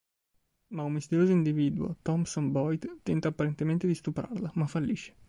Ma un misterioso individuo, Thompson Boyd, tenta apparentemente di stuprarla, ma fallisce.